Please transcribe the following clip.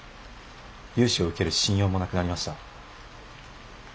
融資を受ける信用もなくなりました。